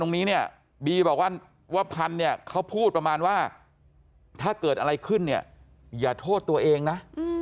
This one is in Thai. ตรงนี้เนี่ยบีบอกว่าพันธุ์เนี่ยเขาพูดประมาณว่าถ้าเกิดอะไรขึ้นเนี่ยอย่าโทษตัวเองนะ